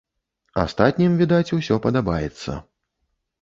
А астатнім, відаць, усё падабаецца!